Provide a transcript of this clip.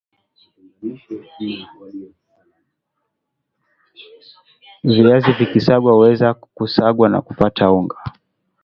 viazi vikisagwa huweza kusagwa na kupata unga